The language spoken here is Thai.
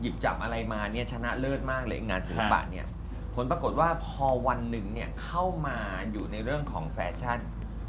บางคนบอกว่าพอวันนึงเข้ามาอยู่ในเรื่องของแฟชั่น